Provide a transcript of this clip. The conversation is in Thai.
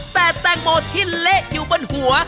แต่แตงโมที่เละอยู่บนหัว